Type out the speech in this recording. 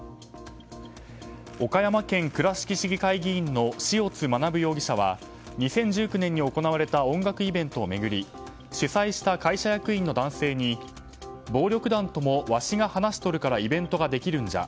岡山県倉敷市議会議員の塩津学容疑者は２０１９年に行われた音楽イベントを巡り主催した会社役員の男性に暴力団とも、わしが話しとるからイベントができるんじゃ。